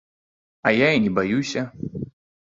А я не баюся.